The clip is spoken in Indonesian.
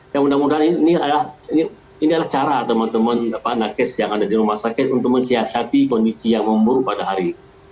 ya mudah mudahan ini adalah cara teman teman nakes yang ada di rumah sakit untuk mensiasati kondisi yang memburuk pada hari